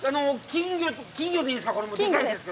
金魚でいいんですか？